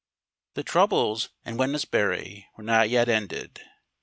THE troubles in Wednesbury were not yet ended.